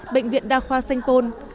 bệnh viện đa khoa sanh pôn